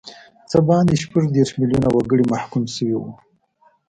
څه باندې شپږ دیرش میلیونه وګړي محکوم شوي وو.